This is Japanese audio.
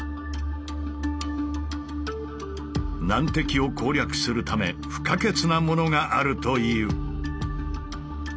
難敵を攻略するため不可欠なものがあるという。